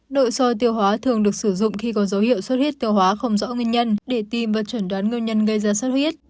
nội soi tiêu hóa thường được sử dụng khi có dấu hiệu sốt huyết tiêu hóa không rõ nguyên nhân để tìm và chuẩn đoán nguyên nhân gây ra sốt huyết